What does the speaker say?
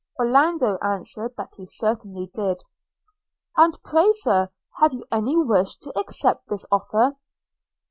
Orlando answered, that he certainly did. 'And pray, Sir, have you any wish to accept this offer?